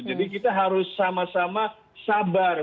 jadi kita harus sama sama sabar